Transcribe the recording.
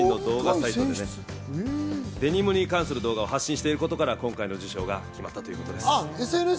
デニムに関する動画を発信してることから今回の受賞が決まったということです。